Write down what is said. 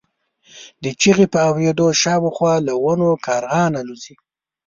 د چیغې په اورېدو شاوخوا له ونو کارغان الوځي.